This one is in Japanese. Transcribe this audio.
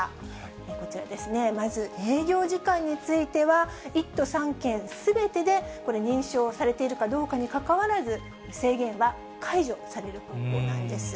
こちらですね、まず営業時間については、１都３県すべてでこれ、認証されているかどうかにかかわらず、制限は解除される方向なんです。